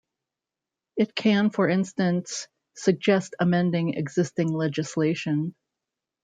It can for instance suggest amending existing legislation.